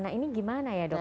nah ini bagaimana ya dok ya